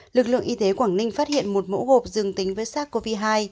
lực lượng y tế quảng ninh phát hiện một mẫu gộp dương tính với sars cov hai